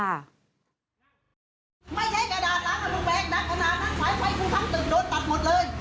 เออ